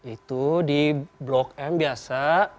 itu di blok m biasa